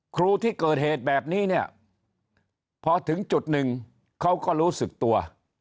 ครูที่เกิดเหตุแบบนี้เนี่ยพอถึงจุดหนึ่งเขาก็รู้สึกตัว